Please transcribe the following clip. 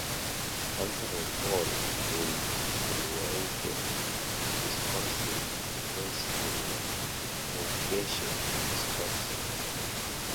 Hanson was born in Milwaukee, Wisconsin and raised in Waukesha, Wisconsin.